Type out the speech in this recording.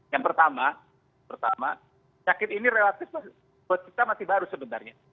yang pertama pertama penyakit ini relatif buat kita masih baru sebenarnya